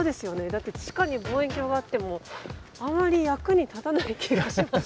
だって地下に望遠鏡があってもあんまり役に立たない気がします。